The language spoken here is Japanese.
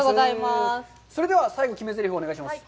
それでは最後、決めぜりふをお願いします。